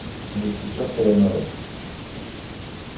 Je suis sûr qu’elle aimerait.